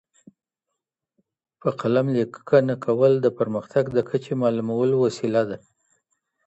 په قلم لیکنه کول د پرمختګ د کچي معلومولو وسیله ده.